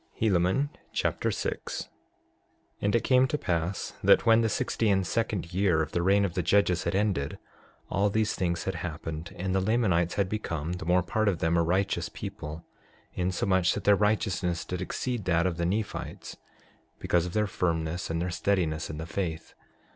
Helaman Chapter 6 6:1 And it came to pass that when the sixty and second year of the reign of the judges had ended, all these things had happened and the Lamanites had become, the more part of them, a righteous people, insomuch that their righteousness did exceed that of the Nephites because of their firmness and their steadiness in the faith.